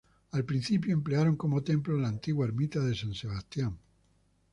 Al principio emplearon como templo la antigua ermita de San Sebastián.